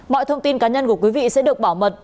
mọi thông tin cá nhân của quý vị sẽ được bảo mật